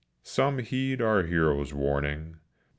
Some heed our hero's warning.